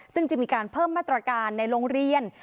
ซึ่งจะมีการเพิ่มมาตรการในโรงเรียน